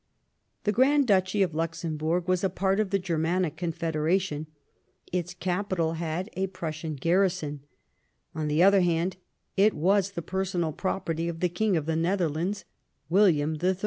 The Grand Duchy of The question T^j^gj^^^j.g ^^g ^ p^j.^ ^f ^j^g Germanic Confederation ; its capital had a Prussian garrison. On the other hand, it was the personal property of the King of the Netherlands, William III.